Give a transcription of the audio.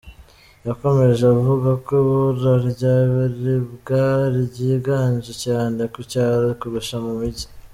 Yakomeje avuga ko ibura ry’ ibiribwa ryiganje cyane ku cyaro kurusha mu migi.